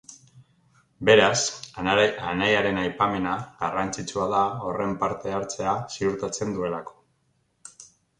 Beraz, anaiaren aipamena garrantzitsua da horren parte-hartzea ziurtatzen duelako.